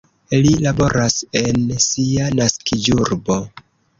Li laboras en sia naskiĝurbo.